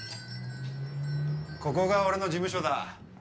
ここが俺の事務所だ。